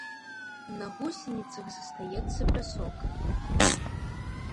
На гусеніцах застаецца пясок.